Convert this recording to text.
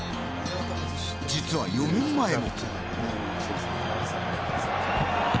実は４年前も。